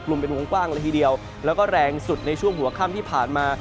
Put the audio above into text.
ผลิตมห่วงแหลงสุดในช่วงหัวข้ำที่ผ่านมา